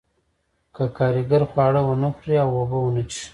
که کارګر خواړه ونه خوري او اوبه ونه څښي